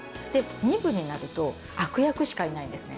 ２部になると悪役しかいないんですね。